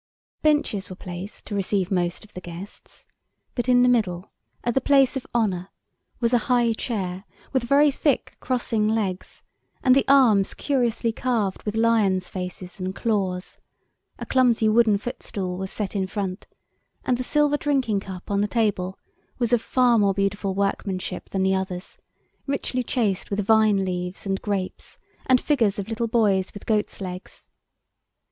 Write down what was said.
Benches were placed to receive most of the guests, but in the middle, at the place of honour, was a high chair with very thick crossing legs, and the arms curiously carved with lions' faces and claws; a clumsy wooden footstool was set in front, and the silver drinking cup on the table was of far more beautiful workmanship than the others, richly chased with vine leaves and grapes, and figures of little boys with goats' legs.